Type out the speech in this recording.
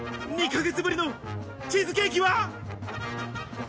２ヶ月ぶりのチーズケーキは。